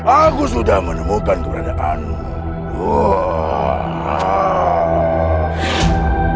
aku sudah menemukan keberadaanmu